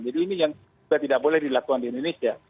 jadi ini yang sudah tidak boleh dilakukan di indonesia